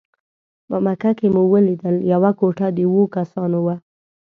په مکه کې مو ولیدل یوه کوټه د اوو کسانو وه.